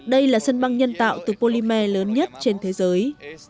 đây là sân băng nhân tạo từ polymer lớn nhất trên thế giới